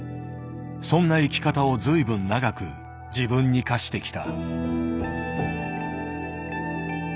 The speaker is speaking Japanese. そんな生き方を随分長く自分に課してきた。